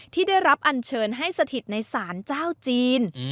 ที่ได้รับอันเชิญให้สถิตในศาลเจ้าจีน